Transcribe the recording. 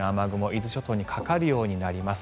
伊豆諸島にかかるようになります。